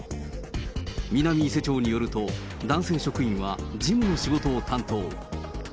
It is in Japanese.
南伊勢町によると男性職員は、事務の仕事を担当。